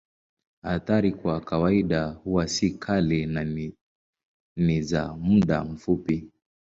Athari kwa kawaida huwa si kali na ni za muda mfupi.